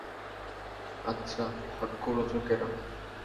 আচ্ছা, ভাগ্য-রচকেরা!